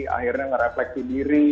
akhirnya nge refleksi diri